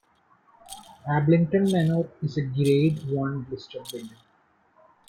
Ablington Manor is a Grade One listed building.